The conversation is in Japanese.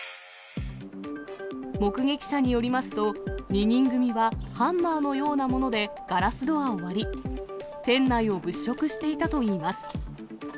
目撃者によりますと、２人組はハンマーのようなものでガラスドアを割り、店内を物色していたといいます。